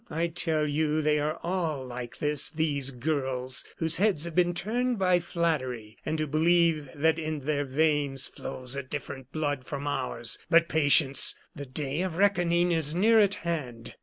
I tell you they are all like this these girls, whose heads have been turned by flattery, and who believe that in their veins flows a different blood from ours. But patience! The day of reckoning is near at hand!"